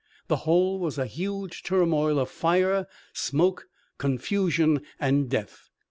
The whole was a huge turmoil of fire, smoke, confusion and death.